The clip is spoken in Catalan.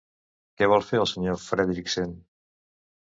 Què vol fer el senyor Fredricksen?